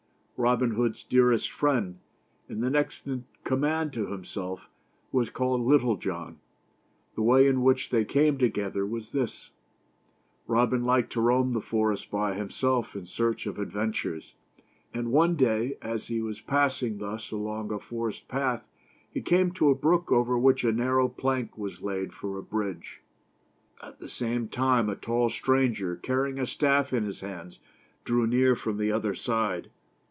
Robin Hood's dearest friend, and the next in command to himself, was called Little John. The way in which they came together was this. Robin liked to roam the forest by 214 THE STORY OF ROBIN HOOD. himself in search of ad ventures ; and one day, as he was passing thus along a forest path, he came to a brook over which a nar row plank was laid for a bridge. At the same time a tall stranger, carrying a staff in his hands, drew near from the other side.